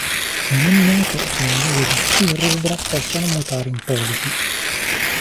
Non è noto se le meduse di "T. rubra" possano mutare in polipi.